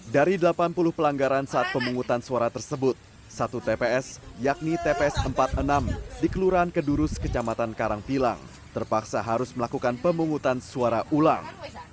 dari delapan puluh pelanggaran saat pemungutan suara tersebut satu tps yakni tps empat puluh enam di kelurahan kedurus kecamatan karangpilang terpaksa harus melakukan pemungutan suara ulang